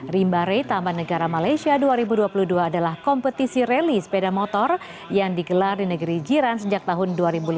rimba ray taman negara malaysia dua ribu dua puluh dua adalah kompetisi rally sepeda motor yang digelar di negeri jiran sejak tahun dua ribu lima belas